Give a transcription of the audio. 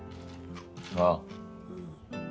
ああ。